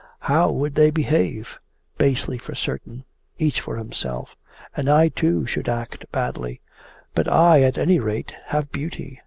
How would they behave? Basely, for certain. Each for himself. And I too should act badly. But I at any rate have beauty.